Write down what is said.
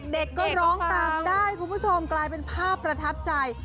เด็กก็ร้องตามได้คุณผู้ชมกลายเป็นภาพประทับใจ